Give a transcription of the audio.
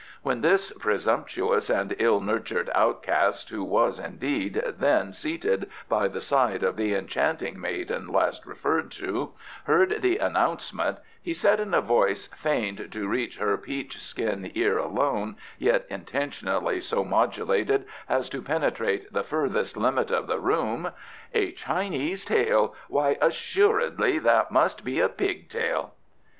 When this presumptuous and ill nurtured outcast, who was, indeed, then seated by the side of the enchanting maiden last referred to, heard the announcement he said in a voice feigned to reach her peach skin ear alone, yet intentionally so modulated as to penetrate the furthest limit of the room, "A Chinese tale! Why, assuredly, that must be a pig tail."